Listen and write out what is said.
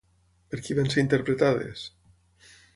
Per qui van ser interpretades?